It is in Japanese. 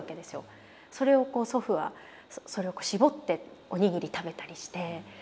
それをこう祖父はそれを絞っておにぎり食べたりして。